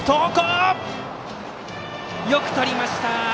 よくとりました！